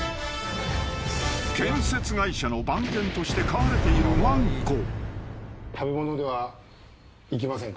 ［建設会社の番犬として飼われているわんこ］